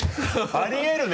ありえるね！